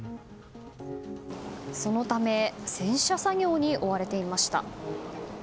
そのため洗車作業に追われていました。